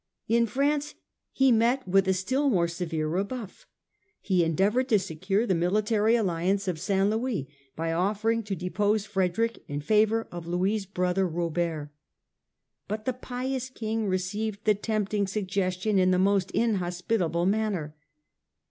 In France he met with a still more severe rebuff. He endeavoured to secure the military alliance of St. Louis by offering to depose Frederick in favour of Louis' brother Robert. But the pious King received the tempting suggestion in the most inhospitable manner.